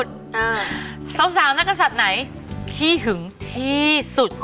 ชาว๓นักศัตริย์ไหนคี่หึงที่สุด